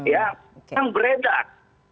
ya yang beredar